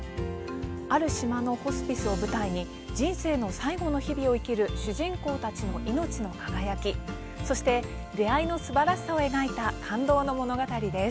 ある島のホスピスを舞台に人生の最後の日々を生きる主人公たちの命の輝きそして出会いのすばらしさを描いた、感動の物語です。